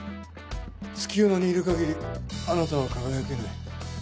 月夜野にいる限りあなたは輝けない。